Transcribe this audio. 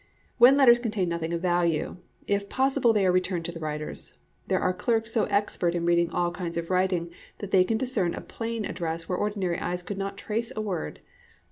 When letters contain nothing of value, if possible they are returned to the writers. There are clerks so expert in reading all kinds of writing that they can discern a plain address where ordinary eyes could not trace a word.